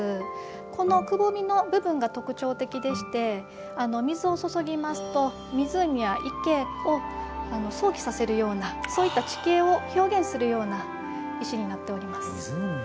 このくぼみの部分が特徴的でして水を注ぎますと、湖や池を想起させるようなそういった地形を表現するような石になっております。